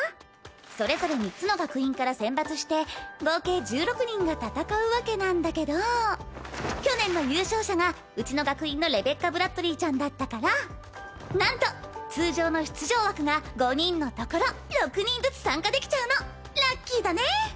それぞれ３つの学院から選抜して合計１６人が戦うわけなんだけど去年の優勝者がうちの学院のレベッカ＝ブラッドリィちゃんだったから何と通常の出場枠が５人のところ６人ずつ参加できちゃうのラッキーだね！